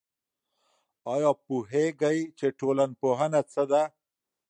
آيا پوهېږئ چي ټولنپوهنه څه ده؟